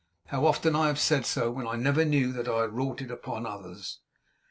How often have I said so, when I never knew that I had wrought it upon others.